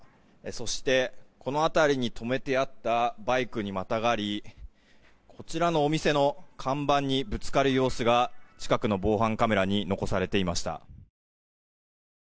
そして、この辺りに止めてあったバイクにまたがりこちらのお店の看板にぶつかる様子が近くの防犯カメラに残されていました。